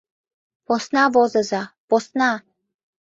— Посна возыза, посна!